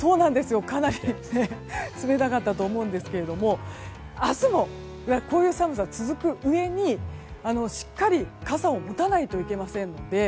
かなり冷たかったと思うんですが明日もこういう寒さが続くうえにしっかり傘を持たないといけませんので。